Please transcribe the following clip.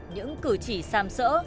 những cử chỉ xàm sỡ